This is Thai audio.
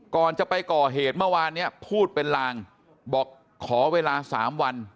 ก่อนจะไปก่อเหตุเมื่อวานเนี่ยพูดเป็นลางบอกขอเวลา๓วัน